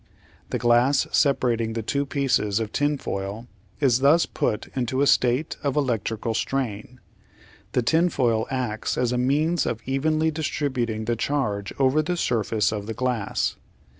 The glass separating the two pieces of tinfoil is thus put into a state of electrical strain. The tinfoil acts as a means of evenly distributing the charge over the surface of the glass.